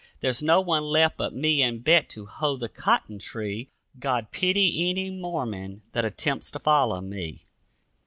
There's no one left but me and Bet to hoe the cotton tree, God pity any Mormon that attempts to follow me!